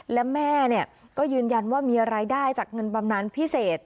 และแม่ก็ยืนยันว่ามีรายได้จากเงินบำนานพิเศษ